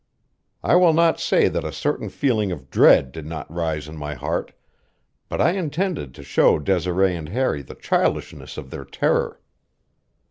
I will not say that a certain feeling of dread did not rise in my heart, but I intended to show Desiree and Harry the childishness of their terror.